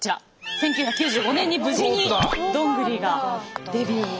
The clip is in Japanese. １９９５年に無事にドングリがデビュー。